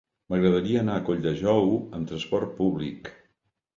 M'agradaria anar a Colldejou amb trasport públic.